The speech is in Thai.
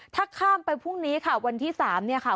ถ้าข้ามไปพรุ่งนี้ค่ะวันที่๓เนี่ยค่ะ